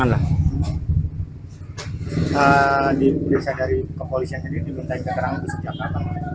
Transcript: dibesarkan dari kepolisian tadi dibentakkan kerangan sejak apa